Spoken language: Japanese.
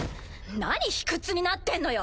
何卑屈になってんのよ。